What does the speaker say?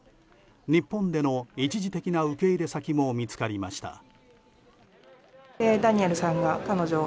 日本での一時的な受け入れ先も見つかりました。